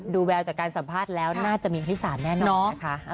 ดูแววจากการสัมภาษณ์แล้วน่าจะมีภิษาแน่นอนนะคะ